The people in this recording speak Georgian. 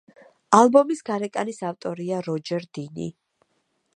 ალბომის გარეკანის ავტორია როჯერ დინი.